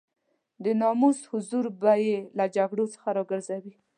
د ناموس حضور به يې له جګړو څخه را وګرځوي.